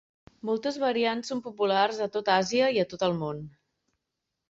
Moltes variants són populars a tot Àsia i a tot el món.